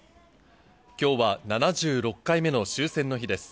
きょうは７６回目の終戦の日です。